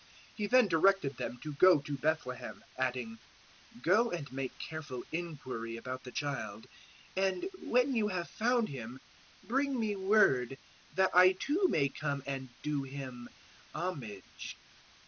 002:008 He then directed them to go to Bethlehem, adding, "Go and make careful inquiry about the child, and when you have found him, bring me word, that I too may come and do him homage."